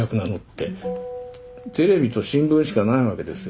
テレビと新聞しかないわけですよ。